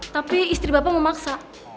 tapi istri bapak memaksa